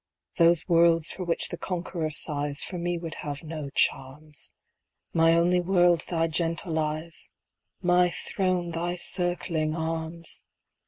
Those worlds for which the conqueror sighs For me would have no charms; My only world thy gentle eyes My throne thy circling arms!